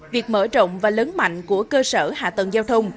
việc mở rộng và lớn mạnh của cơ sở hạ tầng giao thông